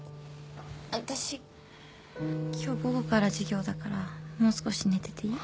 私今日午後から授業だからもう少し寝てていい？